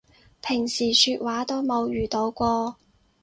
平時說話都冇遇到過